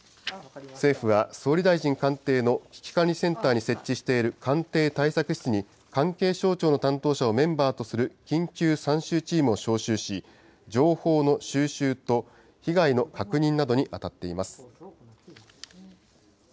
政府は、総理大臣官邸の危機管理センターに設置している官邸対策室に、関係省庁の担当者をメンバーとする緊急参集チームを招集し、情報の収集と被害の確認などに当たっています。